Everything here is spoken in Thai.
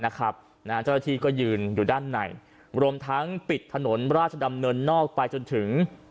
เจ้าหน้าที่ก็ยืนอยู่ด้านในรวมทั้งปิดถนนราชดำเนินนอกไปจนถึง